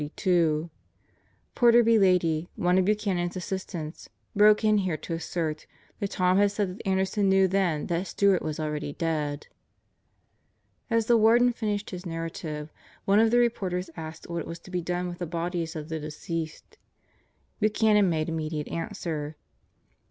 Porter B. Lady, one of Buchanan's assistants, broke in here to assert that Tom had said that Ander son knew then that Stewart was already dead. As the Warden finished his narrative, one of the reporters asked what was to be done with the bodies of the deceased. Buchanan made Immediate answer.